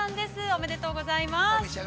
おめでとうございます。